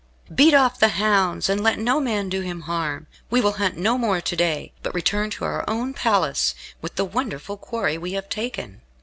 Beat off the hounds, and let no man do him harm. We will hunt no more to day, but return to our own place, with the wonderful quarry we have taken."